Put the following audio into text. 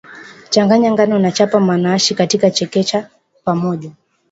changanya ngano na chapa manaashi katika na chekecha pamoja